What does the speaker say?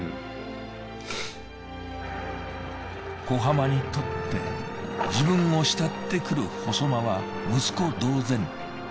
小浜にとって自分を慕ってくる細間は息子同然。